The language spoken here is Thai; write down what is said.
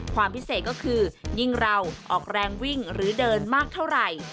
ความพิเศษก็คือยิ่งเราออกแรงวิ่งหรือเดินมากเท่าไหร่